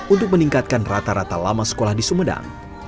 untuk meningkatkan rata rata lama sekolah di sumedang